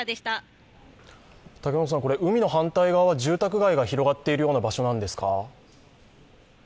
海の反対側は住宅街が広がっているような場所なんですか？